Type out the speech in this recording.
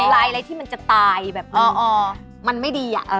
ลายอะไรที่มันจะตายแบบมันไม่ดี